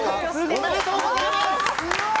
おめでとうございます。